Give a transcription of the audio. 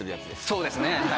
そうですね。